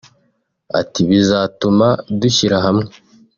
Ati ‘’ Bizatuma dushyira hamwe